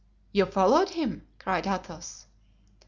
"You followed him?" cried Athos.